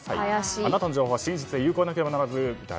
あなたの情報は真実で有効でなければならずと。